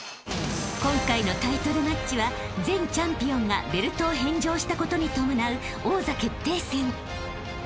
［今回のタイトルマッチは前チャンピオンがベルトを返上したことに伴う王座決定戦］